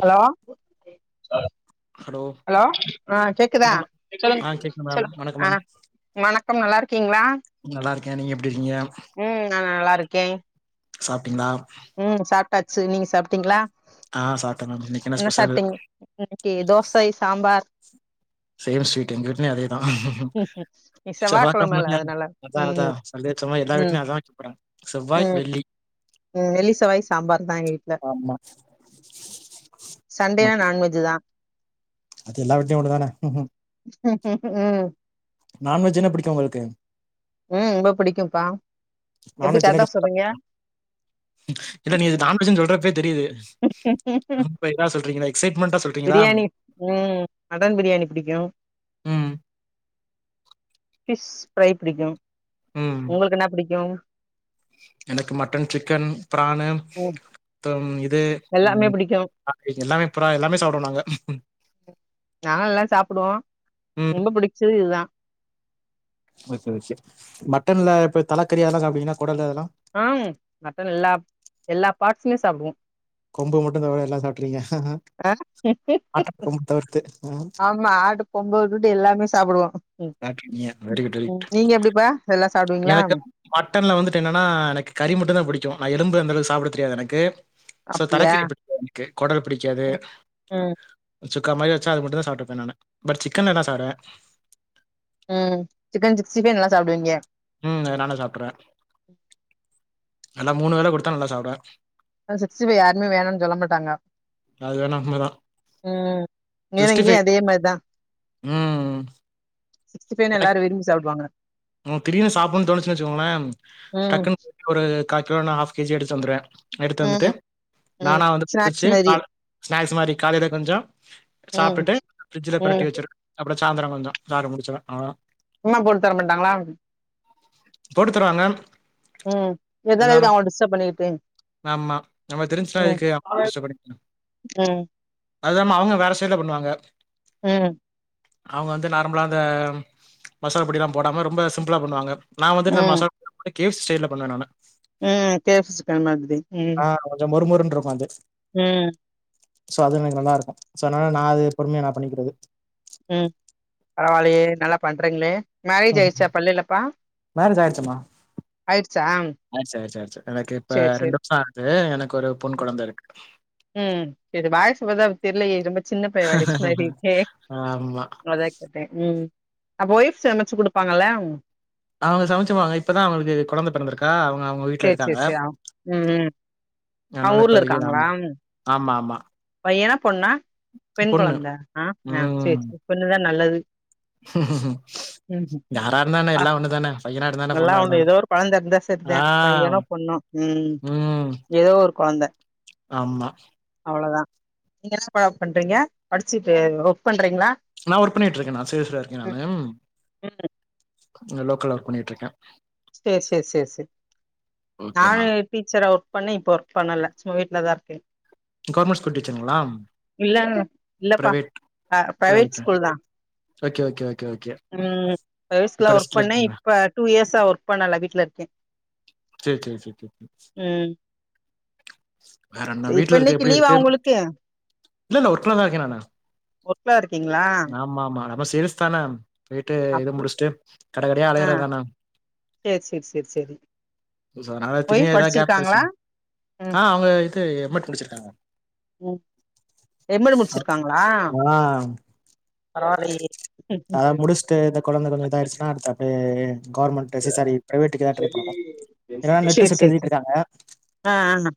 Hello [inaudible] hello ஆ கேக்குதா வணக்கம் சொல்லுங் ஆ கேக்குது மேம் சொல்லுங் வணக்கம் ஆ மேம் வணக்கம் நல்லா இருக்கிங்ளா நல்லா இருக்கே நீங்க எப்டி இருக்கீங்க ம் நா நல்லாருக்கே சாப்ட்டிங்ளா ம் சாப்டாச்சு நீங்க சாப்டிங்ளா ஆ சாப்ட்டே மேம் இன்னைக்கு என்ன ஸ்பெஷல் சாப்டிங் இன்னைக்கு தோசை சாம்பார் சேம் ஸ்வீட் எங்க வீட்லயு அதே தா இன்னைக்கு செவ்வா செவ்வாகிழமல்ல கெழமல அதனால அதா அதா ம் சொல்லி வச்ச மாரி எல்லா ம் வீட்லயு அதா வெக்க போறாங் ம் ம் வெள்ளி செவ்வாய் சாம்பார் தா எங்க வீட்ல ஆமா சண்டேனா ஓகே நான்வெஜ் தா அது எல்லா வீட்லயு ஒன்னு தானே ம் நான்வெஜ் என்ன பிடிக்கு உங்களுக்கு ம் ரொம்ப புடிக்கும்ப்பா எப்டி நான்வெஜ் என்ன கரட்டா டிஷ் சொல்றிங்க இல்ல நீங்க நான்வெஜ் னு சொல்றப்பே தெரியுது ம் ரொம்ப இதா சொல்றீங்களா எக்ஸைட்மெண்டா சொல்றீங்களா பிரியாணி ம் மட்டன் பிரியாணி புடிக் கு ம் ஃபிஷ் ஃப்ரை பிடிக்கு ம் உங்களுக்கு என்னா பிடிக்கு எனக்கு மட்டன் சிக்கன் ப்ரானு ம் தம் இது எல்லாமே உ பிடிக்கு எல்லாமே புறா எல்லாமே சாப்டுவோ நாங்க நா எல்லா சாப்புடுவோ ம் ரொம்ப புடிச்சது இதுதா ஓகே ஓகே மட்டன்ல இப்ப தலக்கறி அதெலா சாப்டுவிங்ளா கொடலு அதெலா ஆ மட்டன் எல்லா எல்லா பார்ட்ஸுமே சாப்டுவோ கொம்பு மட்டுந் தவர எல்லா சாப்ட்ருவிங்க அ ஆமா ஆடு கொம்ப உட்டுட்டு எல்லாமே சாப்டுவோ சாப்ட்ருவிங்க வெரி குட் வெரி ம் குட் நீங்க எப்டிப்பா எல்லா சாப்டுவீங்களா எனக்கு மட்டன்ல வந்துட்டு என்னனா எனக்கு கறி மட்டுந்தா பிடிக்கு நா எலும்பு அந்த அளவுக் சாப்ட தெரியாது எனக்கு சோ அப்டியா தலக்கறி பிடிக் எனக்கு கொடல் பிடிக்காது ம் சுக்கா மாரி வச்சா அது மட்டுந்தா சாப்ட்ருப்பே நானு பட் சிக்கன் எல்லா சாப்டுவே ம் சிக்கன் சிக்ஸ்டி ஃபைவ் நல்லா சாப்டுவிங்க ம் அது நல்லா சாப்ட்றே நல்லா மூணு வேலை குடுத்தா நல்லா சாப்டுவே அ சிக்ஸ்ட்டி ஃபைவ் யாருமே வேணான் சொல்ல மாட்டாங்க அது வேணா உண்மதா ம் ஏனா சிக்ஸ்டி இங்கயி ஃபைவ் அதே மாரிதா ம் சிக்ஸ்டி ஃபைவ்னா எல்லாரு விரும்பி சாப்டுவாங்க உங்ளுக் திடீர்னு சாப்டனு தோனுச்சுன வச்சுகோங்ளே ம் டக்குன் ஒரு கால் கிலோ இனா ஃஆப் கே ஜி எடுத்து வந்துறே எடுத்து வந்ட்டு ம் ம் நானா வந்து ஸ்நாக்ஸ் பிடிச்சு மாரி கால ஸ்நாக்ஸ் மாரி காலைல கொஞ்ச ம் சாப்டுட்டு ஃப்ரிஜ்ல ம் பெரட்டி வச்சிரு அப்டி சாயந்தர கொஞ்ச சாப்ட்டு முடிச்சொன அவளதா ம்மா போட்டு தர மாட்டாங்ளா போட்டு தருவாங்க ம் இதுக்லா எதுக்கு இருந்தாலும் அவங்க டிஸ்டர்ப் பண்ணிட்டு ஆமா நமக் தெரிஞ்சுச்னா எதுக்கு அவுங்ள டிஸ்டர்ப் பண்ணிகிட்னு ம் அதில்லாம அவங்க வேற ஸ்டைல பண்ணுவாங்க ம் அவுங்க வந்து நார்மலா இந்த மசாலா பொடியெலா போடாம ரொம்ப சிம்பிளா பண்ணுவாங்க நா வந்து இந்த மசால் டு கே எஃப் சி ஸ்டைல்ல பண்ணுவே நானு உம் கே எஃப் சி சிக்கன் மாதிரி உம் ட்ருக்கு அது ம் சோ அது எனக்கு நல்லாருக்கு சோ அதனால நா அது பொறுமையா நா பண்ணிக்கிறது உம் பரவால்லியே நல்லா பண்றீங்ளே மேரேஜ் ம் ஆயிருச்சாபா இல்லலிப்பா மேரேஜ் ஆயிடுச்சுமா? ஆயிருச்சா ஆயிடுச்சு ஆயிடுச்சு ஆயிடுச்சு. எனக்கு இப்ப ரெண்டு வருஷ ஆகுது எனக்கு ஒரு பொண் கொழந்த இருக்கு உம் செரி வாய்ஸ் பத்தா அப்பி தெர்லியே ரொம்ப சின்ன பைய வாய்ஸ் மாரியிருக்கே ஆமா. அதா கேட்டே உம் அப்ப ஒய்ஃப் சமச்சு குடுப்பாங்கல்ல அவுங்க சமச்சுப்பாங்க இப்பதா அவுங்ளுக்கு கொழந்த பெறந்திருக்கா அவுங்க வீட்ல சேரி சேரி இருக்காங்க சேரி ஆ ம் ம் அவங்க அதனால ஊர்ல இப்பதைக்கு இருக்காங்களா நாந்தா ஆமா ஆமா பையனா பொண்ணா பெண் பொண்ணு. கொழந்த ஆ ஆ சேர் சே பொண்ணுதா நல்லது ம் ம் ம் ம் ஆ இருந்தா என்ன, நல்லா பொண்ணா இருந்தா ஒன்னு என்ன. ஏதோ ஒரு கொழந்த இருந்தா செரிதா ஆ. பையனோ பொண்ணோ உம் ஏதோ ஒரு கொழந்த ஆம்மா அவ்ளோதா நீங்க என்னப்பா பண்றீங்க படிச்சிட்டு ஒர்க் பண் நா ஒர்க் பண்ணிட்ருக்கே நா சேல்ஸ்லருக்கே நானு உம் இங்க லோக்கல்ல ஒர்க் பண்ணிட்ருக்கே சேர் சே சே சே ஓகே நானு மேம். டீச்சரா ஒர்க் பண்ண இப்போ ஒர்க் பண்ணல சும்மாதா வீட்லதா இருக்கே கவுர்மெண்ட் ஸ்கூல் டீச்சருங்ளா இல்லங் இல்லப்பா அ பிரைவேட் ஸ்கூல்தா ஓகே ஓகே ஓக் உம் யேஸ்க்குல ஒர்க் பண்ணே இருக்கீங்களா? இப்ப டூ இயர்ஸா ஒர்க் பண்ணல வீட்லருக்கே சே சே சே சே சே வேறென்ன சரி இப்ப வீட்ல இருக்க இன்னைக்கு லீவா எப்டிருக்கு உங்களுக்கு இல்ல இல்ல ஒர்க்லதா இருக்கே நானு ஒர்க்ல இருக்கீங்களா ஆமா ஆமா நம்ம சேல்ஸ் தானே போயிட்டு இத அப்டி முடிஸ்ட்டு கடகடையா ஆ அலையுறத்தான சேரி சேரி சேரி சேரி சோ அனால திரியு ஒய்ஃப் எதா கேப் படிச்சிருக்காங்களா கெடச்சா ஆ அவுங்க இது எம் மெட் முடிச்சிருக்காங்க உம் எம் மெட் அ முடிச்சிருக்காங்ளா அ முடிஸ்ட்டு இந்த கொழந்த கொஞ்ச இதாயிடுச்சுனா அடுத்து அப்டே கவுர்மெண்ட் சி சாரி பிரைவேட்டுக்கு எதா ட்ரை பண்ணுணு இல்லனா நெட்டு சிட்டு எழுதிட்ருக்காங்க அ ஆ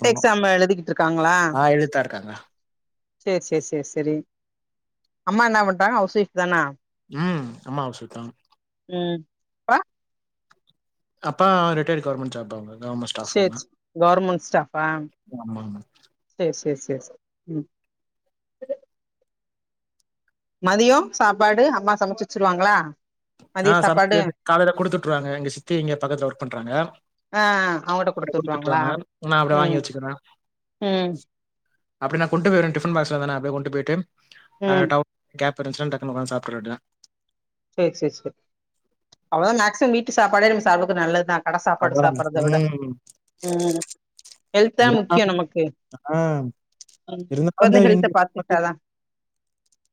பண்ணணும். எழுதிகிட்ருக்காங்ளா ஆ எழுதிட்டுதான் இருக்காங்க. சே சே சே செரி அம்மா என்னாப் பண்றாங்க ஹவுஸ் ஒய்ஃப் தானா உம் அம்மா ஹவுஸ் ஒய்ஃப்தா உம் ப்றா அப்பா ரிட்டையடு கவுர்மெண்ட் ஜாப் அவுங்க சேச்ச கவுர்மெண்ட் ஸ்டாஃபா ஆமாமா. சேர் ஸ் சே எஸ் ம் மதிய சாப்பாடு அம்மா சமச்சு வச்சுருவாங்ளா ஆ சம்ச்சி காலைல குடுத்துட்ருவாங்க இங்க சித்தி இங்க பக்கத்துல ஒர்க் பண்றாங்க ஆ அவங்கட்ட [unintelligible] குடுத்து விட்ருவாங்களா குடுத்துட்ருவாங்க நா அப்டியே வாங்கி ம் வச்சுக்கிறே ம் அப்டி நா கொண்டு போயிருவே டிஃபன் பாக்ஸ்லதான அப்டியே கொண்டு போயிட்டு அ ம் டவ் கேப் ஃபிரண்ட்ஸ்டன் டக்குனு உக்காந் சாப்ட்ர வேண்டிதா சேர் சேர் சேரி அவ்ளோதா மேக்சிமம் வீட்டு சாப்டது நல்லதுதா கடை சாப்பாடு அவ்வளதாங்க. சாப்பிடறத விட ம். ம் ஹெல்த தான முக்கியோ இருந்தாலும் நமக்கு ஆ இப்ப இருந்து ஹெல்த பாத்துக்கிட்டாதா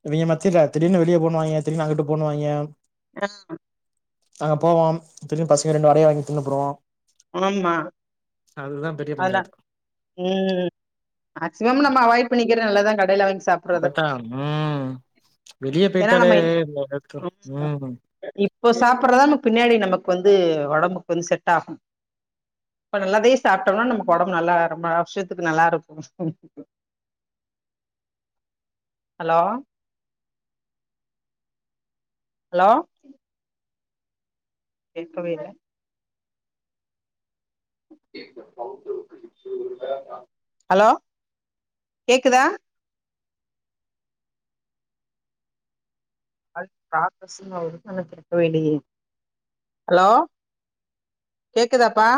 இவங்க மத்தில திடீனு வெளிய போனுவாங்க திடீனு அங்கிட்டு போணுவாங்க அ அங்க போவோ திரும்பி பசங்க ரெண்டு வடைய வாங்கி தின்னு புடுவோ ஆமா பெரிய அதா பஞ்சாயத்து. ம் மேக்சிமம் நம்ம அவாய்ட் பண்ணிக்கிற நல்லதுதா அப்பதா ம் வெளிய ஏன்னா போயிட்டாலே நம்ம இந்த இடத்து- ம். இப்ப சாப்பிட்றதா நம்ம பின்னாடி நமக்கு வந்து ஒடம்புக்கு வந்து செட் ஆகும் [inaudible] இப்ப நல்லதே சாப்பிட்டோம்னா நமக்கு ஒடம்பு நல்லா ரொம்ப வருஷத்துக்கு நல்லா இருக்கு [inaudible] ஹலோ ஹலோ கேக்கவே இல்ல [inaudible] ஹலோ கேக்குதா [unintelligible] கேட்கவே இல்லியே ஹலோ கேக்குதாப்பா